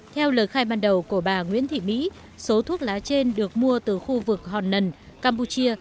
theo lời khai ban đầu của bà nguyễn thị mỹ số thuốc lá trên được mua từ khu vực hòn nần campuchia